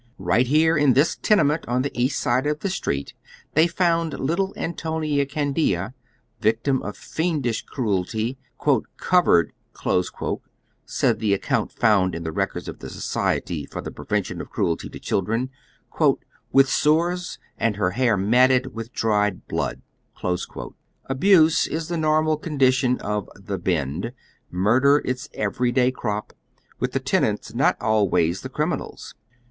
Right here, in this tenement on the east side of the street, they found little Antonia Candia, victim of fiendish cruelty, " covered," says the account found in the records of the Society for tlie Prevention of Cruelty to Children, "with sores, and her hair matted with dried blood." Abuse is the normal condition of " the Bend," mui der its everyday crop, with the tenants not always the criminals.